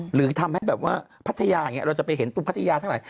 หรือทำให้แบบว่าพัทยาอย่างนี้เราจะไปเห็นตรงพัทยาทั้งหลาย